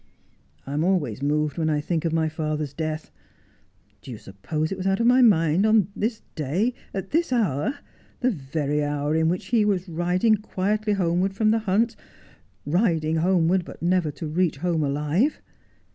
' I am always moved when I think of my father's death. Do you suppose it was out of my mind on this day, at this hour, the very hour in which he was riding quietly homeward from the hunt — riding homeward, but never to reach home alive